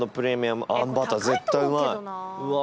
うわ。